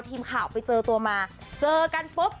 ทีมข่าวไปเจอตัวมาเจอกันปุ๊บ